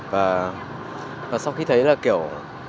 và sau khi thấy kiểu